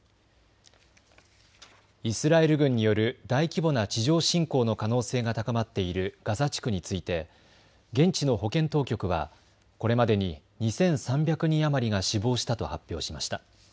イスラエル軍による大規模な地上侵攻の可能性が高まっているガザ地区について現地の保健当局はこれまでに２３００人余りが死亡したと発表しました。